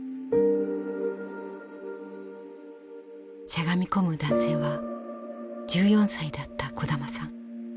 しゃがみ込む男性は１４歳だった小玉さん。